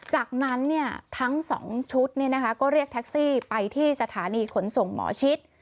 จากนั้นทั้ง๒ชุดก็เรียกแท็กซี่ไปที่สถานีขนส่งหมอชิด